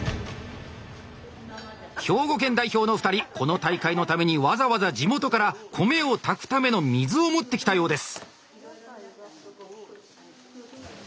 兵庫県代表の２人この大会のためにわざわざ地元から米を炊くための水を持ってきたようです。